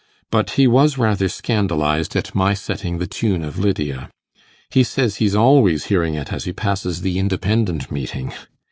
But he was rather scandalized at my setting the tune of "Lydia." He says he's always hearing it as he passes the Independent meeting.